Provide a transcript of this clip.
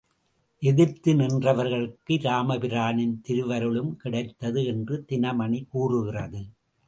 எதிர்த்து நின்றவர்களுக்கு இராமபிரானின் திருவருளும் கிடைத்தது என்று தினமணி கூறுகிறது.